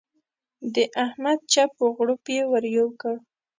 د احمد چپ و غړوپ يې ور یو کړ.